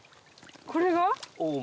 これが？